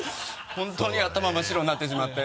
本当に頭真っ白になってしまって。